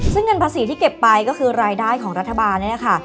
ซึ่งเงินภาษีที่เก็บไปก็คือรายได้ของรัฐบาลนี่แหละค่ะ